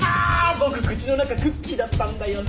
僕口の中クッキーだったんだよね。